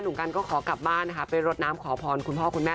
หนุ่มกันก็ขอกลับบ้านไปรดน้ำขอพรคุณพ่อคุณแม่